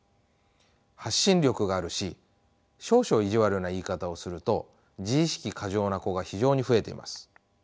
発信力があるし少々意地悪な言い方をすると自意識過剰な子が非常に増えています。